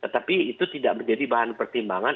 tapi itu tidak menjadi bahan pertimbangan